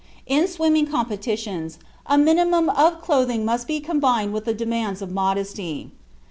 In swimming competitions, a minimum of clothing must be combined with the demands of modesty.